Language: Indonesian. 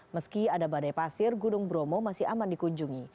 meski ada badai pasir gunung bromo masih aman dikunjungi